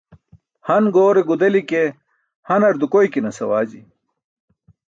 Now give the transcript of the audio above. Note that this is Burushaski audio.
Han goorane gudeli ke, hanar dukoykinas awaji.